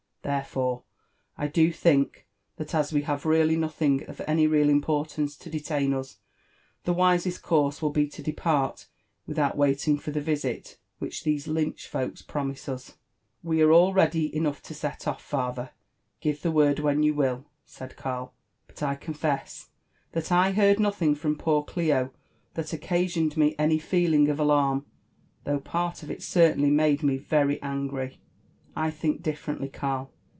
Therefore, I do think, that as we have really nothing of any real importance to detain us, the wisest course will be to depart without waiting for the visit which these Lynch folks pro mise us." '* We are all ready enough to set off, father, give the word when you will," said Karl ;*' but I confess that I heard nothing from poor good Clio that occasioned me any feeling of alarm, though part of it certainly made mo very angry." ^" I think differently, Karl.